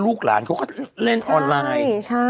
ลูกหลานเขาก็เล่นออนไลน์